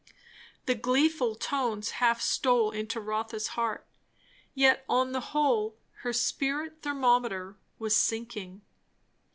The gleeful tones half stole into Rotha's heart; yet on the whole her spirit thermometer was sinking.